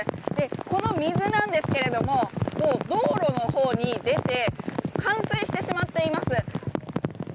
この水なんですけれども道路のほうに出て冠水してしまっています。